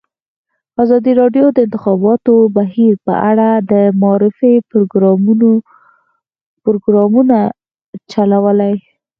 ازادي راډیو د د انتخاباتو بهیر په اړه د معارفې پروګرامونه چلولي.